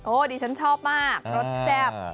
ดิฉันชอบมากรสแซ่บ